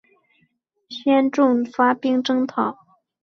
宪宗发兵征讨。